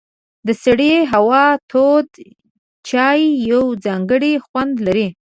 د سړې هوا تود چای یو ځانګړی خوند لري.